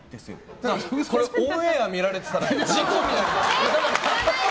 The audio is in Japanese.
だからこれオンエア見られてたら。